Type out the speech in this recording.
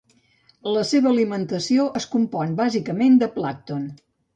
La seva alimentació es compon bàsicament de plàncton.